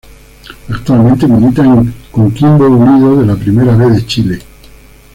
Actualmente milita en Coquimbo Unido de la Primera B de Chile.